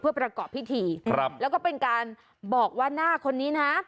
เพื่อประกอบพิธีครับแล้วก็เป็นการบอกว่าหน้าคนนี้นะ